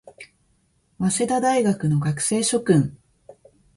早稲田大学の学生諸君